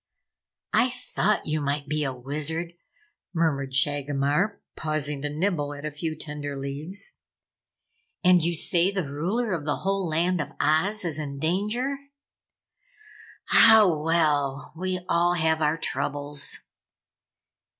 "I thought you might be a Wizard," murmured Shagomar, pausing to nibble at a few tender leaves. "And you say the Ruler of the whole Land of Oz is in danger? Hah, well we all have our troubles."